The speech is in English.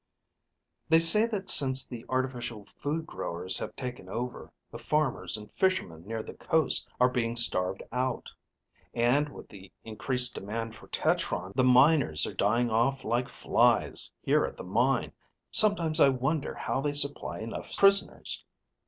"They say that since the artificial food growers have taken over, the farmers and fishermen near the coast are being starved out. And with the increased demand for tetron, the miners are dying off like flies here at the mine. Sometimes I wonder how they supply enough prisoners."